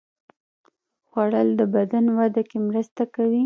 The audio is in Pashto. خوړل د بدن وده کې مرسته کوي